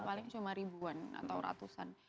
paling cuma ribuan atau ratusan